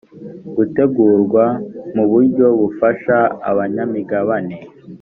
gutegurwa mu buryo bufasha abanyamigabane